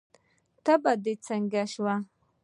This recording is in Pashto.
تبه دې څنګه شوه؟